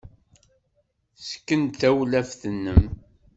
Ssken-d tawlaft-nnem.